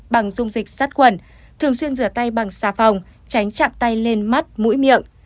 bằng dung dịch sát khuẩn thường xuyên rửa tay bằng xà phòng tránh chạm tay lên mắt mũi miệng